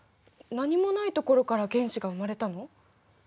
何もないところから原子が生まれたの？